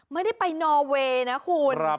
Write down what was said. ไม่ได้ไปนอเวย์นะคุณ